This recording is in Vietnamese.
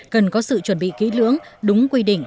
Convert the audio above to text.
cần có sự chuẩn bị kỹ lưỡng đúng quy định